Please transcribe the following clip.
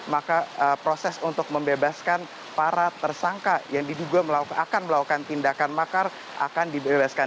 maka proses untuk membebaskan para tersangka yang diduga akan melakukan tindakan makar akan dibebaskan